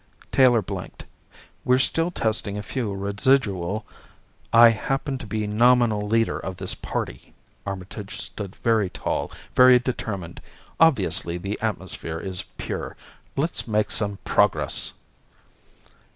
Taylor blinked. "We're still testing a few residual " "I happen to be nominal leader of this party." Armitage stood very tall, very determined. "Obviously the atmosphere is pure. Let's make some progress!"